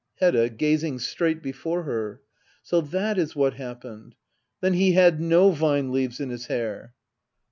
Hedda. [Gazing straight before her,] So that is what happened. Then he had no vine leaves in his hair.